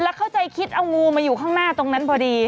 แล้วเข้าใจคิดเอางูมาอยู่ข้างหน้าตรงนั้นพอดี